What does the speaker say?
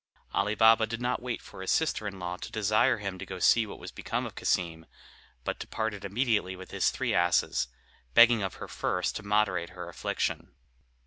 Ali Baba did not wait for his sister in law to desire him to go to see what was become of Cassim, but departed immediately with his three asses, begging of her first to moderate her affliction.